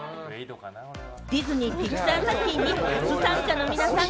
ディズニー＆ピクサー作品に初参加の皆さん。